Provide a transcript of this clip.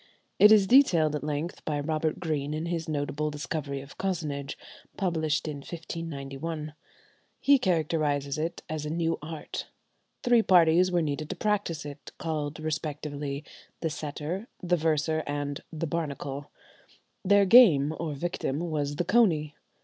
It is detailed at length by Robert Greene in his "Notable Discovery of Cozenage," published in 1591. He characterizes it as a new art. Three parties were needed to practise it, called respectively the "setter," the "verser," and the "barnacle;" their game, or victim, was the "coney."